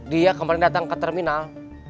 dia kemarin datang ke terminal